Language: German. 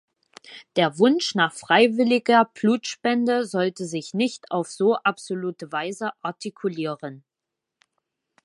Der Wunsch nach freiwilliger Blutspende sollte sich nicht auf so absolute Weise artikulieren.